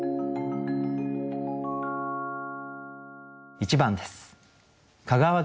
１番です。